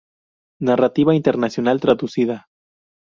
Narrativa internacional traducida.